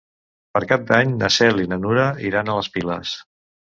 Per Cap d'Any na Cel i na Nura iran a les Piles.